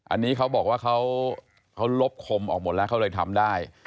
อันนี้เขาบอกว่าเขาลบคมออกหมดแล้วเขาเลยทำได้